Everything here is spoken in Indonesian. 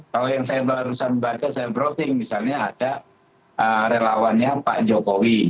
kalau yang saya barusan baca saya browting misalnya ada relawannya pak jokowi